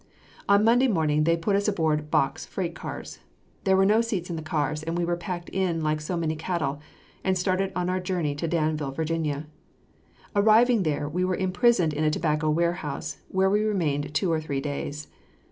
On Monday morning they put us aboard box freight cars. There were no seats in the cars, and we were packed in like so many cattle, and started on our journey to Danville, Virginia. Arriving there, we were imprisoned in a tobacco warehouse, where we remained two or three days.